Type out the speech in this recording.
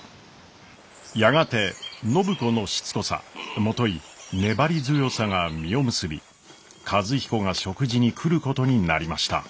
やがて暢子のしつこさもとい粘り強さが実を結び和彦が食事に来ることになりました。